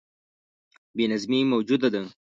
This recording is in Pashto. بې نظمي موجوده ده.